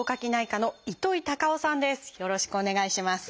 よろしくお願いします。